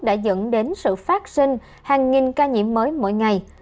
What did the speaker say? đã dẫn đến sự phát sinh hàng nghìn ca nhiễm mới mỗi ngày